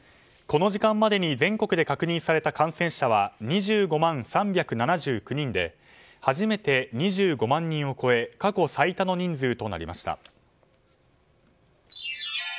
この時間までに全国で確認された感染者は２５万３７９人で初めて２５万人を超え過去最多の人数となりました。